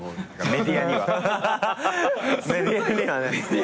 メディアにはね。